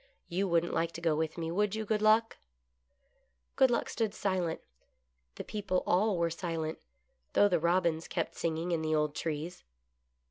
You wouldn't like to go with me, would you. Good Luck }" Good Luck stood silent. The people all were silent, though the robins kept singing in the old trees.